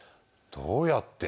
どうやって？